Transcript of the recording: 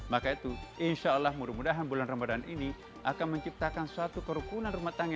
maka itu insya allah mudah mudahan bulan ramadhan ini akan menciptakan suatu kerukunan rumah tangga